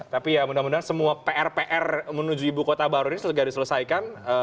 tapi ya mudah mudahan semua pr pr menuju ibu kota baru ini sudah diselesaikan